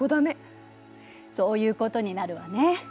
そういうことになるわね。